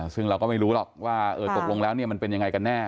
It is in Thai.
ซึ่งเราก็ไม่รู้หรอกว่าตกลงแล้วมันเป็นยังไงกันแน่